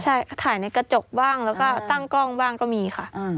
ใช่ถ่ายในกระจกบ้างแล้วก็ตั้งกล้องบ้างก็มีค่ะ